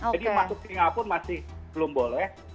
jadi masuk singapura masih belum boleh